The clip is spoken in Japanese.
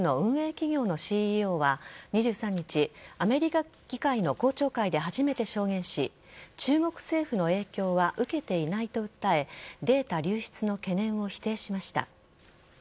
企業のＣＥＯは２３日、アメリカ議会の公聴会で初めて証言し中国政府の影響は受けていないと訴えデータ流出の懸念を否定しました。